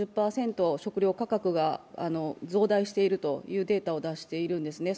食料価格が増大しているというデータを出しているんですね。